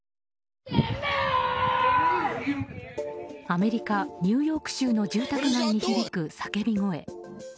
アメリカ・ニューヨーク州の住宅街に響く叫び声。